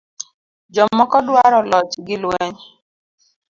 Jomoko dwaro loch gi lweny